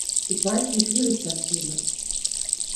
Ich weiß, wie schwierig das Thema ist.